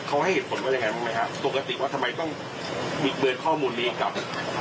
เขาให้เหตุผลว่ายังไงบ้างไหมฮะปกติว่าทำไมต้องบิดเบิร์นข้อมูลนี้กับ